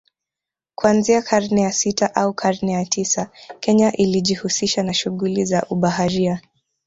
Kuanzia karne ya sita au karne ya tisa Kenya ilijihusisha na shughuli za ubaharia